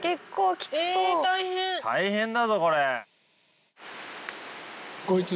大変だぞこれ。